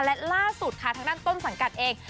และล่าสุดค่ะทางด้านต้นสังกัดเอง